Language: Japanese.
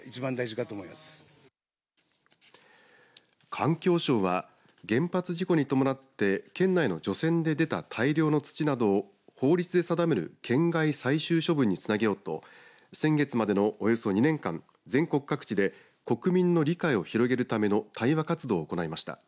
環境省は原発事故に伴って県内の除染で出た大量の土などを法律で定める県外最終処分につなげようと先月までのおよそ２年間全国各地で国民の理解を広げるための対話活動を行いました。